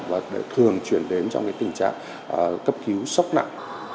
và thường chuyển đến trong tình trạng cấp cứu sốc nặng